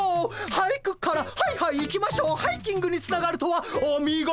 「俳句」から「ハイハイ行きましょハイキング」につながるとはお見事です。